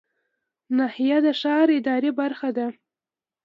ناحیه د ښار اداري برخه ده